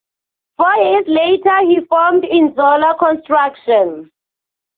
Four years later he formed Inzola Construction.